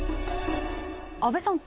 阿部さん